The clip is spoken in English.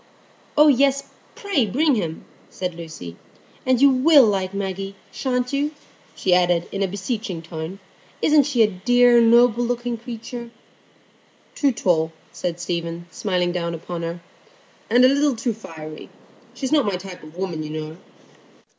"Oh yes, pray bring him," said Lucy. "And you will like Maggie, sha'n't you?" she added, in a beseeching tone. "Isn't she a dear, noble looking creature?" "Too tall," said Stephen, smiling down upon her, "and a little too fiery. She is not my type of woman, you know."